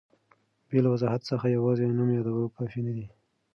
بې له وضاحت څخه یوازي نوم یادول کافي نه دي.